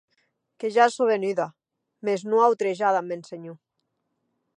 Que ja sò venuda, mès non autrejada ath mèn senhor.